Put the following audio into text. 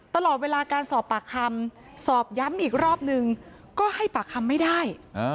ตลอดเวลาการสอบปากคำสอบย้ำอีกรอบนึงก็ให้ปากคำไม่ได้